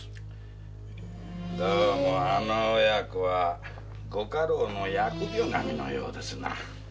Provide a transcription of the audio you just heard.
どうもあの親子はご家老の厄病神のようですな。